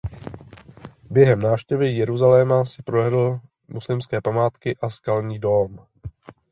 Během návštěvy Jeruzaléma si prohlédl muslimské památky a Skalní dóm.